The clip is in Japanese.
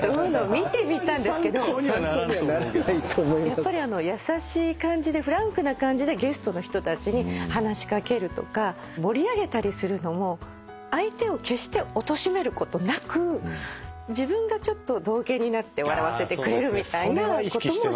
やっぱり優しい感じでフランクな感じでゲストの人たちに話し掛けるとか盛り上げたりするのも相手を決しておとしめることなく自分がちょっと道化になって笑わせてくれるみたいな。